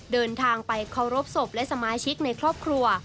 เดินทางไปเคารพศพและสมาชิกในครอบครัว